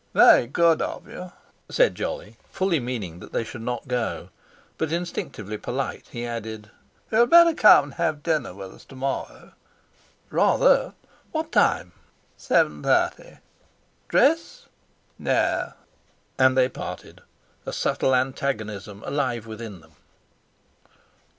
"Very good of you," said Jolly, fully meaning that they should not go; but, instinctively polite, he added: "You'd better come and have dinner with us to morrow." "Rather. What time?" "Seven thirty." "Dress?" "No." And they parted, a subtle antagonism alive within them.